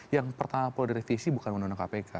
yang pertama pola di revisi bukan undang undang kpk